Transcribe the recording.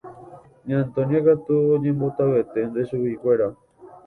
Ña Antonia katu oñembotavyeténte chuguikuéra.